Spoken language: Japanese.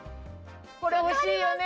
これ欲しいよね！